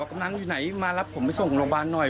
กำลังอยู่ไหนมารับผมไปส่งโรงพยาบาลหน่อย